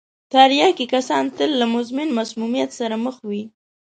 تریاکي کسان تل له مزمن مسمومیت سره مخ وي.